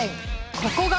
ここが。